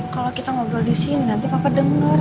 kalau kita ngobrol di sini nanti papa dengar